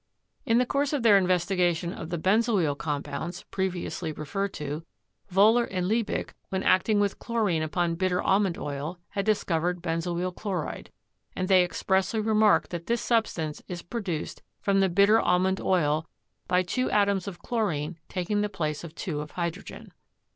In the course of their investigation of the benzoyl compounds, previously referred to, Wohler and Liebig, when acting with chlorine upon bitter almond oil, had discovered benzoyl chloride; and they expressly remark that this substance is produced from the bitter aimond oil by two atoms of chlorine taking the place of two of hydrogen.